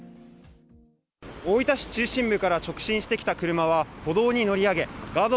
大分市中心部から直進してきた車は歩道に乗り上げ、ガード